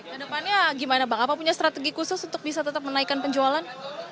ke depannya bagaimana bang apa strategi khusus untuk bisa tetap menaikkan penjualan